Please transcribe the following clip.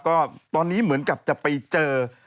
ก็ตอนนี้เหมือนกับจะไปเจอ